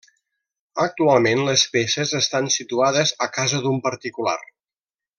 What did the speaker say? Actualment les peces estan situades a casa d'un particular.